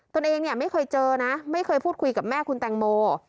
ตัวเองเนี่ยไม่เคยเจอนะไม่เคยพูดคุยกับแม่คุณแตงโม